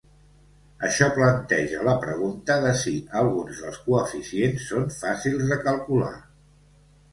Això planteja la pregunta de si alguns dels coeficients són fàcils de calcular.